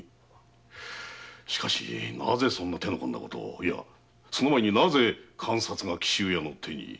しかしなぜそんな手の込んだことをいやその前になぜ鑑札が紀州屋に。